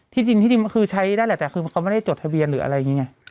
จริงที่จริงคือใช้ได้แหละแต่คือเขาไม่ได้จดทะเบียนหรืออะไรอย่างนี้ไง